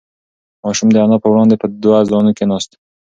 ماشوم د انا په وړاندې په دوه زانو کښېناست.